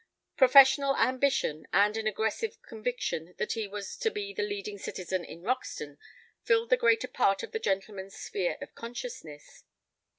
Professional ambition, and an aggressive conviction that he was to be the leading citizen in Roxton filled the greater part of the gentleman's sphere of consciousness.